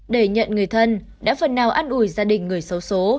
để nhận người thân đã phần nào ăn ủi gia đình người xấu xố